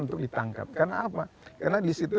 untuk ditangkap karena apa karena di situ